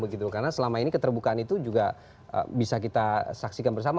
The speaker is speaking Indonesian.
karena selama ini keterbukaan itu juga bisa kita saksikan bersama